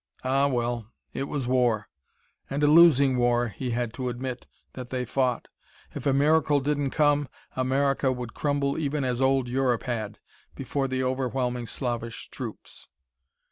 Ah, well, it was war and a losing war, he had to admit, that they fought. If a miracle didn't come, America would crumble even as old Europe had, before the overwhelming Slavish troops.